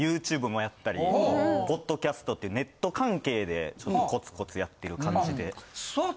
ＹｏｕＴｕｂｅもやったりポッドキャストってネット関係でコツコツやってる感じで。